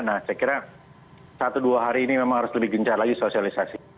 nah saya kira satu dua hari ini memang harus lebih gencar lagi sosialisasi